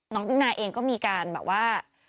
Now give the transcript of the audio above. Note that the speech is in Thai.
น้องตินาเองก็มีการแบบว่า